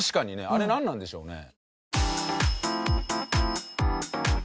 あれなんなんでしょうね？